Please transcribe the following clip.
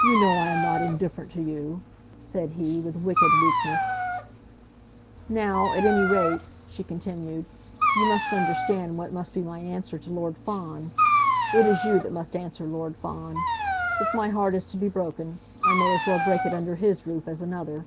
"You know I am not indifferent to you," said he, with wicked weakness. "Now, at any rate," she continued, "you must understand what must be my answer to Lord Fawn. It is you that must answer Lord Fawn. If my heart is to be broken, I may as well break it under his roof as another."